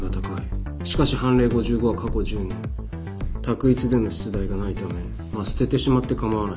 しかし判例５５は過去１０年択一での出題がないためまあ捨ててしまって構わない。